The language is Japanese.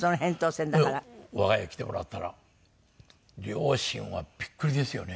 我が家へ来てもらったら両親はビックリですよね。